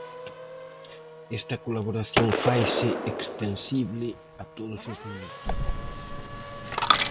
Esta colaboración faise extensible a todos os municipios.